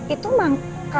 itu mangkam perempuan itu kan